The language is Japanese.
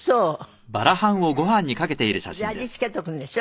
味付けておくんでしょ？